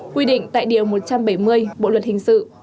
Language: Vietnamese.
quy định tại điều một trăm bảy mươi bộ luật hình sự